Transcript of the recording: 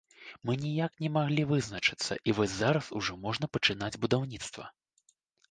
Мы ніяк не малі вызначыцца, і вось зараз ужо можна пачынаць будаўніцтва.